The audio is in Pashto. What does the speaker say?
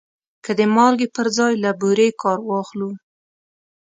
که د مالګې پر ځای له بورې کار واخلو.